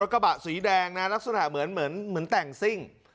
รถกระบะสีแดงนะลักษณะเหมือนเหมือนเหมือนแต่งซิ่ง